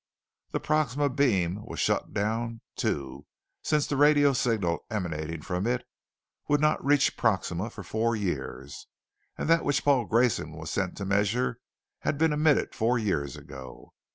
The Proxima Beam was shut down, too, since the radio signal emanating from it would not reach Proxima for four years, and that which Paul Grayson was to measure had been emitted four years ago.